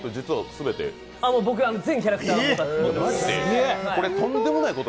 僕は全キャラクター持ってます。